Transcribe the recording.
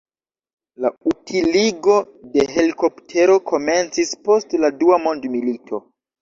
La utiligo de helikoptero komencis post la dua mondmilito.